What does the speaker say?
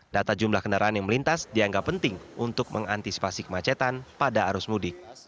data jumlah kendaraan yang melintas dianggap penting untuk mengantisipasi kemacetan pada arus mudik